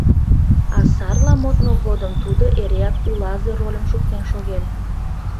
А сарла модмо годым тудо эреак «улазе» рольым шуктен шоген.